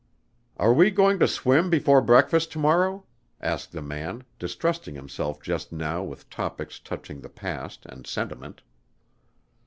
"Are we going to swim before breakfast to morrow?" asked the man, distrusting himself just now with topics touching the past and sentiment.